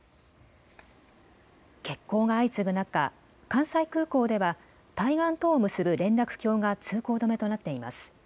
欠航が相次ぐ中、関西空港では対岸とを結ぶ連絡橋が通行止めとなっています。